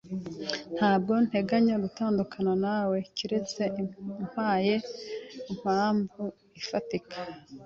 Ntabwo nteganya gutandukana nawe keretse umpaye impamvu ifatika.